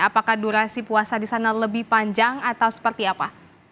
apakah durasi puasa di sana lebih panjang atau seperti apa